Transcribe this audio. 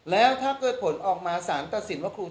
แต่เจ้าตัวก็ไม่ได้รับในส่วนนั้นหรอกนะครับ